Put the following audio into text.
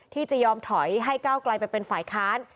ที่จะยอมถอยให้ก้าวไกลไปเป็นฝ่ายค้าน